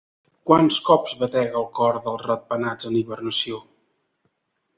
Quants cops batega el cor dels ratpenats en hibernació?